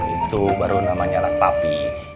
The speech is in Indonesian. itu baru namanya lakpapi